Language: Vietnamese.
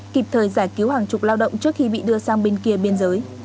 kịp thời giải cứu hàng chục lao động trước khi bị đưa sang bên kia biên giới